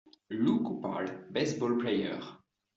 Lou Koupal, baseball player.